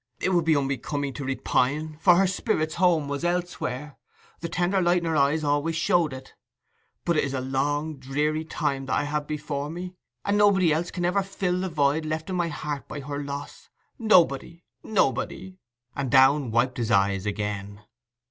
It would be unbecoming to repine, for her spirit's home was elsewhere—the tender light in her eyes always showed it; but it is a long dreary time that I have before me, and nobody else can ever fill the void left in my heart by her loss—nobody—nobody!' And Downe wiped his eyes again.